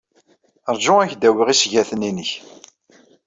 Ṛju ad ak-d-awiɣ isgaten-nnek.